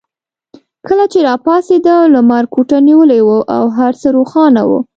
کله چې راپاڅېدم لمر کوټه نیولې وه او هر څه روښانه وو.